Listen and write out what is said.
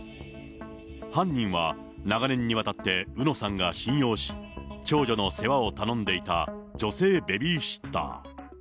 犯人は長年にわたって宇野さんが信用し、長女の世話を頼んでいた女性ベビーシッター。